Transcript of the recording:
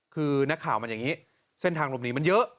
คือนักข่าวมันอย่างนี้เส้นทางหลบหนีมันเยอะ